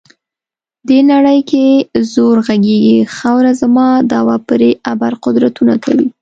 دې نړۍ کې زور غږیږي، خاوره زما دعوه پرې ابر قدرتونه کوي.